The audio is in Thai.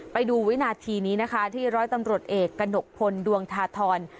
ไปดูวินาทีนี้นะคะที่ร้อยตำรวจเอกกระหนกพลดวงธาธร